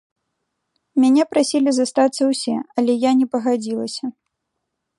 Мяне прасілі застацца ўсе, але я не пагадзілася.